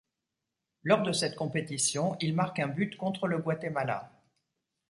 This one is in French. Lors de cette compétition, il marque un but contre le Guatemala.